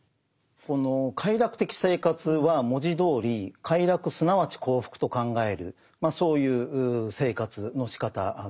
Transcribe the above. この快楽的生活は文字どおり快楽すなわち幸福と考えるそういう生活のしかたです。